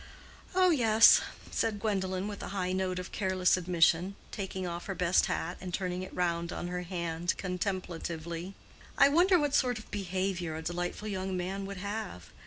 "Oh, yes," said Gwendolen, with a high note of careless admission, taking off her best hat and turning it round on her hand contemplatively. "I wonder what sort of behavior a delightful young man would have?